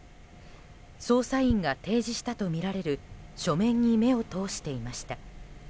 捜査員が提示したとみられる書面に目を通していました。